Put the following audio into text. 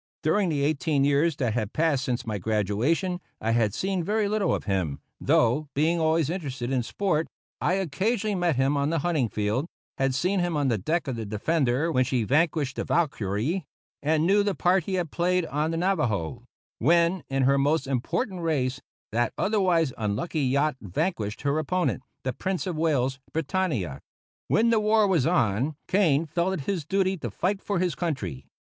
During the eighteen years that had passed since my graduation I had seen very little of him, though, being always interested in sport, I occasionally met him on the hunting field, had seen him on the deck of the Defender when she vanquished the Valkyrie, and knew the part he had played on the Navajoe, when, in her most important race, that otherwise unlucky yacht vanquished her opponent, the Prince of Wales's Britannia. When the war was on, Kane felt it his duty to fight for his country.